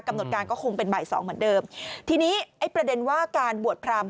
กำหนดการก็คงเป็นบ่ายสองเหมือนเดิมทีนี้ไอ้ประเด็นว่าการบวชพราม